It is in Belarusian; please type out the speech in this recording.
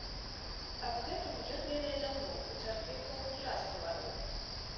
Аб гэтым ён ведае даўно, у царкве поп не раз гаварыў.